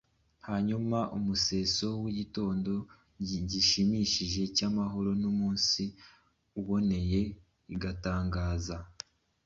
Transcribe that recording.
hanyuma umuseso w’igitondo gishimishije cy’amahoro n’umunsi uboneye bigatangaza.